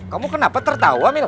kamu kenapa tertawa mil